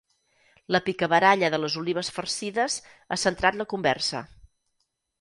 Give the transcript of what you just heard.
La picabaralla de les olives farcides ha centrat la conversa.